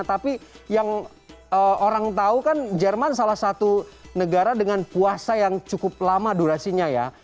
tapi yang orang tahu kan jerman salah satu negara dengan puasa yang cukup lama durasinya ya